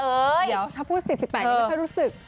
เดี๋ยวถ้าพูด๔๘แล้วก็รู้สึก